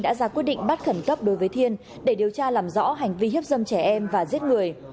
đã ra quyết định bắt khẩn cấp đối với thiên để điều tra làm rõ hành vi hiếp dâm trẻ em và giết người